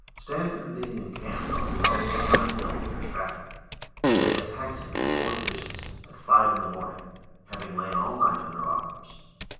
Stamford being encamped on the top of a high hill near Stratum, they attacked him in four divisions, at five in the morning, having lain all night under arms.